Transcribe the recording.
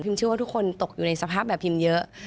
เชื่อว่าทุกคนตกอยู่ในสภาพแบบพิมเยอะ